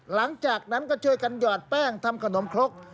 หลังจากนั้นก็ช่วยกันหอดแป้งทำขนมครก